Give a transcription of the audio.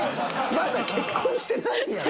まだ結婚してないやん。